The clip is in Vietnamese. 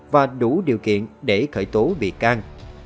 và đủ điều kiện để khởi tố bị can